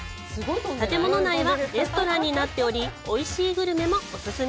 建物内はレストランになっておりおいしいグルメもお勧め。